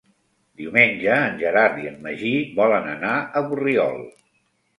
Diumenge en Gerard i en Magí volen anar a Borriol.